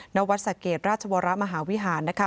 และวัดศักริย์ราชวรมหาวิหาร